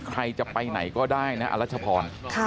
ใครจะไปไหนก็ได้นะอรัชพร